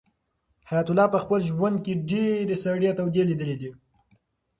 حیات الله په خپل ژوند کې ډېرې سړې تودې لیدلې دي.